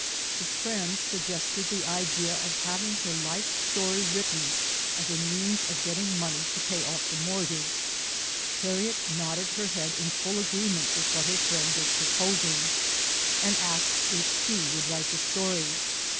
The friend suggested the idea of having her life story written as a means of getting money to pay off the mortgage. Harriet nodded her head in full agreement with what her friend was proposing and asked if she would write the story.